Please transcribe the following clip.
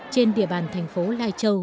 trên địa bàn thành phố lai châu